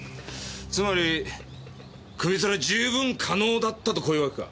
つまり首つりは十分可能だったとこういうわけか？